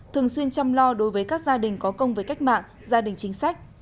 thường xuyên chăm lo đối với các gia đình có công với cách mạng gia đình chính sách